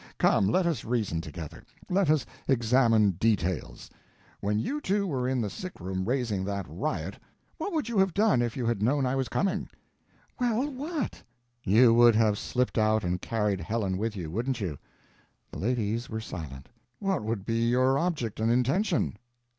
"Come, let us reason together. Let us examine details. When you two were in the sick room raising that riot, what would you have done if you had known I was coming?" "Well, what?" "You would have slipped out and carried Helen with you wouldn't you?" The ladies were silent. "What would be your object and intention?"